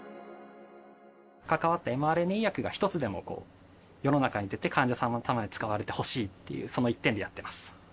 関わったｍＲＮＡ医薬が１つでも世の中に出て、患者さんのために使われてほしいっていう、その一点でやってます。